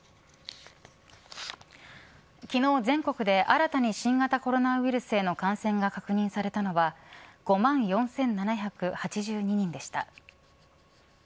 昨日、全国で新たに新型コロナウイルスへの感染が確認されたのは５万４７８２人でした。